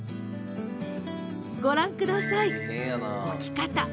ご覧ください、置き方。